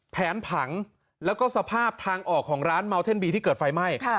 แผนผังแล้วก็สภาพทางออกของร้านเมาเท่นบีที่เกิดไฟไหม้